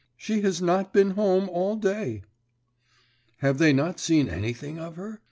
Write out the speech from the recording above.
She has not been home all the day." "Have they not seen anything of her?"